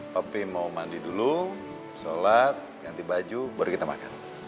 tapi mau mandi dulu sholat ganti baju baru kita makan